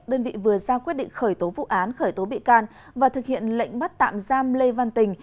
đơn vị vừa ra quyết định khởi tố vụ án khởi tố bị can và thực hiện lệnh bắt tạm giam lê văn tình